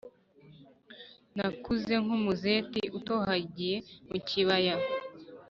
Nakuze nk’umuzeti utohagiye mu kibaya,